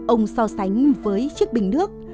ông so sánh với chiếc bình nước